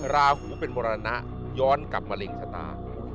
ราหูเป็นมรณะย้อนกับมะเร็งชะตา